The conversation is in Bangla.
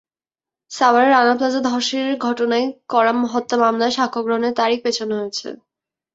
সাভারের রানা প্লাজা ধসের ঘটনায় করা হত্যা মামলায় সাক্ষ্য গ্রহণের তারিখ পেছানো হয়েছে।